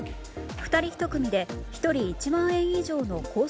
２人１組で１人１万円以上のコース